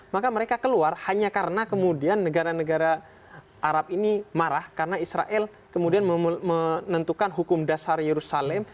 maka mereka keluar hanya karena kemudian negara negara arab ini marah karena israel kemudian menentukan hukum dasar yerusalem